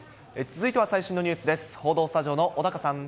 続いては最新のニュースです。